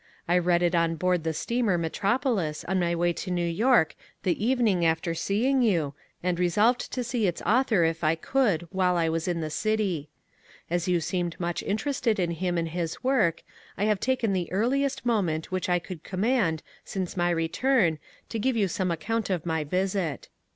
I read it on board the steamer Metropolis on my way to New York the evening after seeing you, and resolved to see its author if I could while I was in the city. As you seemed much interested in him and his work, I have taken the earliest moment which I could conmiand since my return to give you some account of my visit.